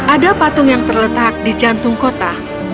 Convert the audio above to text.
ada patung yang terletak di jantung kota